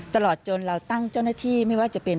ตลอดจนเราตั้งเจ้าหน้าที่ไม่ว่าจะเป็น